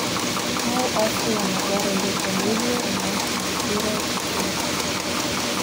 How also in the Guadalupe River and Los Martires stream.